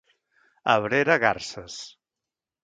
A Abrera, garses.